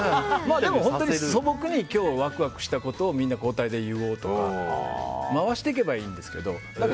でも、素朴に今日ワクワクしたことをみんな交代で言おうとか回していけばいいんですけど。